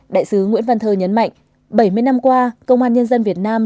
đại sứ nguyễn văn thơ nhấn mạnh bảy mươi năm qua công an nhân dân việt nam